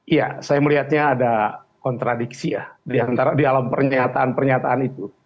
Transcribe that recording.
iya saya melihatnya ada kontradiksi ya di dalam pernyataan pernyataan itu